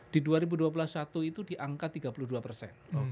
di dua ribu dua puluh satu itu di angka tiga puluh dua persen